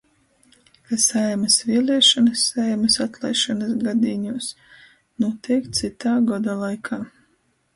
Ka Saeimys vieliešonys Saeimys atlaisšonys gadīņūs nūteik cytā goda laikā,